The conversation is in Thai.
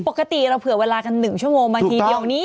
ปกติเราเผื่อเวลากัน๑ชั่วโมงมาทีเดียวนี้